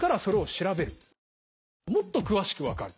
調べるともっと詳しく分かる。